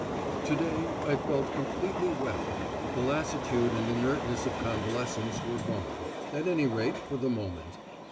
To day I felt completely well; the lassitude and inertness of convalescence were gone at any rate, for the moment.